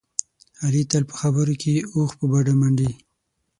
علي تل په خبرو کې اوښ په بډه منډي.